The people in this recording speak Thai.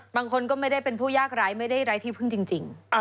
บางคนก็ไม่ได้เป็นผู้ยากร้ายไม่ได้ไร้ที่พึ่งจริง